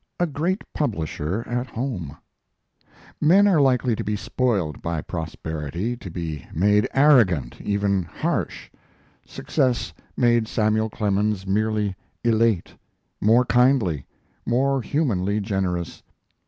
CLX. A GREAT PUBLISHER AT HOME Men are likely to be spoiled by prosperity, to be made arrogant, even harsh. Success made Samuel Clemens merely elate, more kindly, more humanly generous.